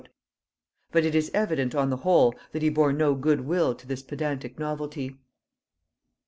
But it is evident on the whole, that he bore no good will to this pedantic novelty.